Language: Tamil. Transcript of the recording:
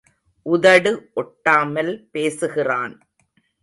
உதடு ஒட்டாமல் பேசுகிறான்.